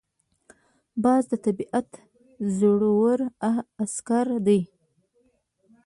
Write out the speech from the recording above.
باز د طبیعت زړور عسکر دی